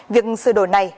việc sửa đổi này